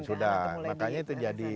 sudah makanya itu jadi